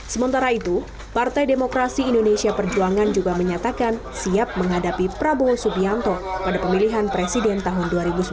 sementara itu partai demokrasi indonesia perjuangan juga menyatakan siap menghadapi prabowo subianto pada pemilihan presiden tahun dua ribu sembilan belas